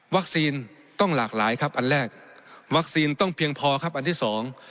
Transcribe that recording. ต้องหลากหลายครับอันแรกวัคซีนต้องเพียงพอครับอันที่สอง